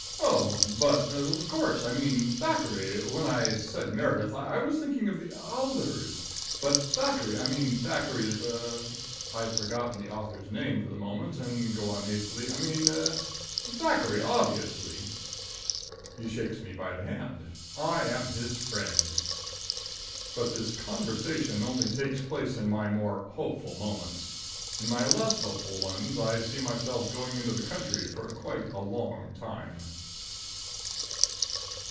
"Oh, but of course! I mean Thackeray! When I said Meredith I was thinking of the others. But Thackeray I mean Thackeray is er " (I've forgotten the author's name for the moment and go on hastily) "I mean er Thackeray, obviously." He shakes me by the hand. I am his friend. But this conversation only takes place in my more hopeful moments. In my less hopeful ones I see myself going into the country for quite a long time.